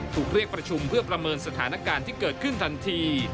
ถูกเรียกประชุมเพื่อประเมินสถานการณ์ที่เกิดขึ้นทันที